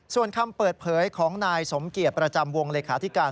ส่วนคำเปิดเผยของนายสมเกียจประจำวงเลขาธิการ